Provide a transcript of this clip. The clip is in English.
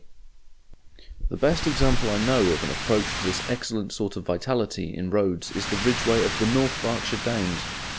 _ The best example I know of an approach to this excellent sort of vitality in roads is the Ridgeway of the North Berkshire Downs.